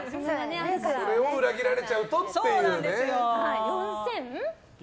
それを裏切られちゃうとっていうね。